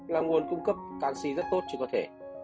là nguồn cung cấp canxi rất tốt cho cơ thể